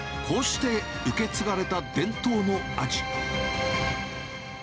こうして受け継がれた伝統の味。